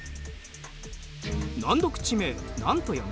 難読地名なんと読む？